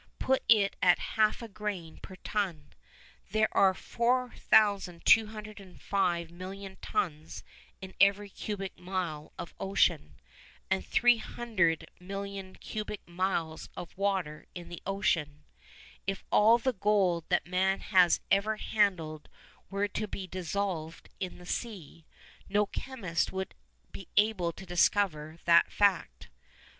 Put it at half a grain per ton: there are 4205 million tons in every cubic mile of ocean, and 300 million cubic miles of water in the ocean. If all the gold that man has ever handled were to be dissolved in the sea, no chemist would be able to discover the fact.